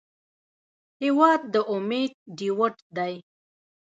هېواد د امید ډیوټ دی.